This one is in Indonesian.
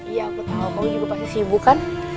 iya aku tau kamu juga pasti sibuk kan